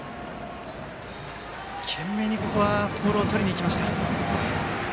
懸命にボールをとりに行きました。